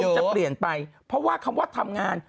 จะเปลี่ยนไปเพราะว่าคำว่าทำงาน